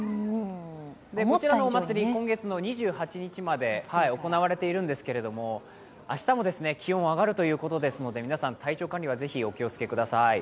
こちらのお祭り、今月の２８日まで行われているんですけども、明日も気温は上がるということですので、皆さん、体調管理はぜひお気をつけください。